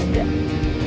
sampai jumpa lagi